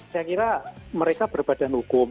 saya kira mereka berbadan hukum